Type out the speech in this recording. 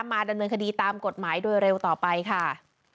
มาดำเนินคดีตามกฎหมายโดยเร็วต่อไปค่ะ